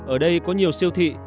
ở đây có nhiều siêu thị